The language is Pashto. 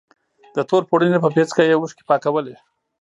د تور پوړني په پيڅکه يې اوښکې پاکولې.